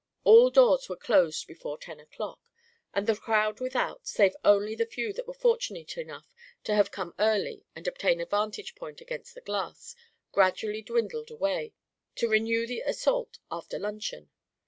All doors were closed before ten o'clock, and the crowd without, save only the few that were fortunate enough to have come early and obtain a vantage point against the glass, gradually dwindled away, to renew the assault after luncheon.